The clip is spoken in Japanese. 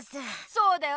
そうだよね！